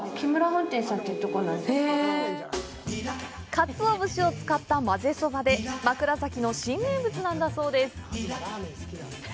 かつお節を使ったまぜそばで枕崎の新名物なんだそうです。